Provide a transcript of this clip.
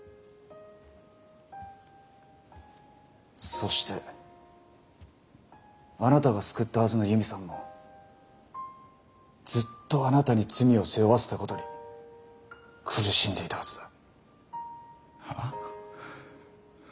そしてあなたが救ったはずの悠美さんもずっとあなたに罪を背負わせたことに苦しんでいたはずだ。はあ？